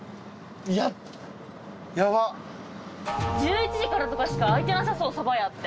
１１時からとかしか開いてなさそうそば屋って。